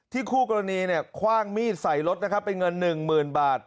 คู่กรณีคว่างมีดใส่รถนะครับเป็นเงิน๑๐๐๐บาท